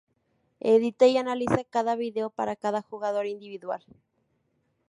Edita y analiza cada video para cada jugador individual.